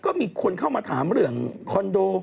ก็มีคนเข้ามาถามเรื่องคอนโด